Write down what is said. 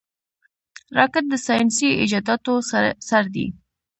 راکټ د ساینسي ایجاداتو سر دی